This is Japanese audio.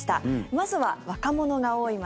まずは若者が多い街